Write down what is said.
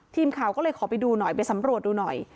ทีมข่าวก็เลยขอไปดูหน่อยไปสำรวจดูหน่อย